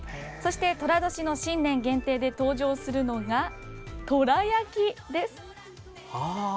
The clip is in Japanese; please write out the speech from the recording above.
そして、とら年の新年限定で登場するのが「トラ」焼きです。